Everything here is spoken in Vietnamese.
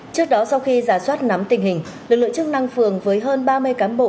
trước đó sau khi giả soát nắm tình hình lực lượng chức năng phường với hơn ba mươi cán bộ